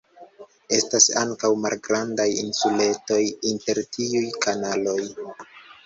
Estas ankaŭ malgrandaj insuletoj inter tiuj kanaloj.